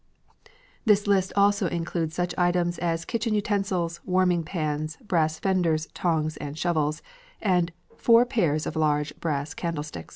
This list also includes such items as kitchen utensils, warming pans, brass fenders, tongs, and shovels, and "four pairs of large Brass candlesticks."